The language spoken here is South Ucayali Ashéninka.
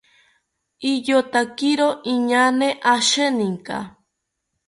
Iyotakiro inaañe asheninka